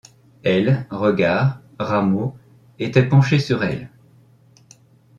Ailes, regards, rameaux, était penché sur elle ;